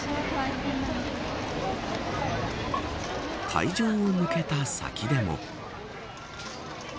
会場を抜けた先でも。